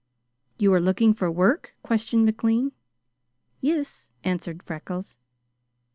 "You are looking for work?" questioned McLean. "Yis," answered Freckles.